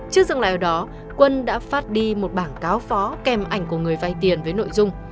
trước dừng lại ở đó quân đã phát đi một bảng cáo phó kèm ảnh của người vay tiền với nội dung